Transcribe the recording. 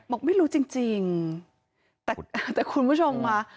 บอกไม่รู้จริงจริงแต่คุณผู้ชมค่ะ